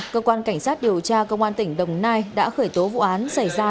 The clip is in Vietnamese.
cơ quan cảnh sát điều tra công an tỉnh đồng nai đã khởi tố vụ án xảy ra